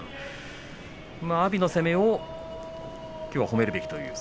阿炎の攻めを、きょうは褒めるべきという。